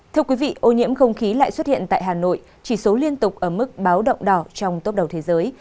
thưa quý vị ô nhiễm không khí lại xuất hiện tại hà nội chỉ số liên tục ở mức báo động đỏ trong tốp đầu thế giới